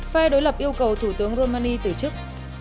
phe đối lập yêu cầu thủ tướng romani từ chức